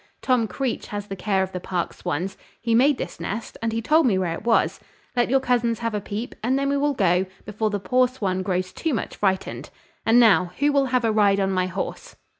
Tom Creach has the care of the park swans; he made this nest, and he told me where it was. Let your cousins have a peep; and then we will go, before the poor swan grows too much frightened. And now, who will have a ride on my horse?"